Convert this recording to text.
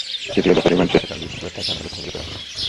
তৃতীয় দফায় রিমান্ড শেষে কাল বৃহস্পতিবার তাঁকে আদালতে হাজির করা হবে।